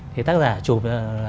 thì tác giả chụp